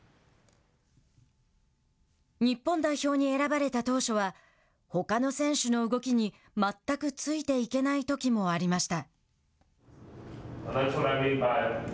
日本代表に選ばれた当初はほかの選手の動きに全くついていけないときもありました。